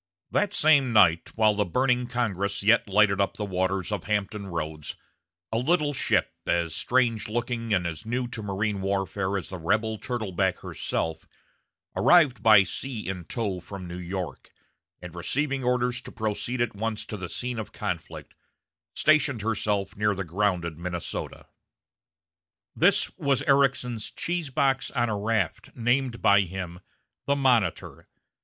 That same night, while the burning Congress yet lighted up the waters of Hampton Roads, a little ship, as strange looking and as new to marine warfare as the rebel turtleback herself, arrived by sea in tow from New York, and receiving orders to proceed at once to the scene of conflict, stationed herself near the grounded Minnesota. This was Ericsson's "cheese box on a raft," named by him the Monitor.